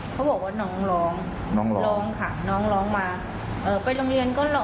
เขาบอกว่าน้องร้องน้องร้องร้องค่ะน้องร้องมาเอ่อไปโรงเรียนก็ร้อง